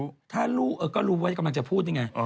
ถ้ามีหัวใจลูกก็รู้ไว้กำลังจะพูดนี่ไง